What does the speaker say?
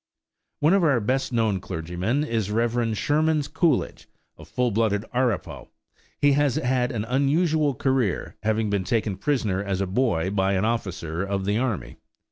One of our best known clergymen is Rev. Sherman Coolidge, a full blood Arapahoe. He has had an unusual career, having been taken prisoner as a boy by an officer of the army.